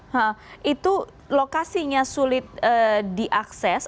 nah itu lokasinya sulit diakses